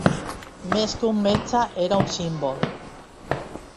Més que un metge, era un símbol.